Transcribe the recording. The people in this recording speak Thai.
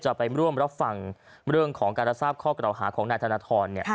จะไปร่วมรับฟังเรื่องของการรับทราบข้อกล่าวหาของนายธนทร